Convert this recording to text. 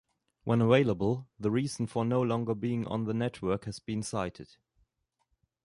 When available, the reason for no longer being on the network has been cited.